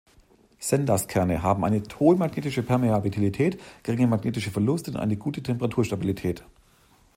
Sendust-Kerne haben eine hohe magnetische Permeabilität, geringe magnetische Verluste und eine gute Temperaturstabilität.